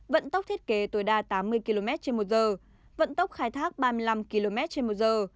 vận tốc thiết kế tối đa tám mươi km trên một giờ vận tốc khai thác ba mươi năm km trên một giờ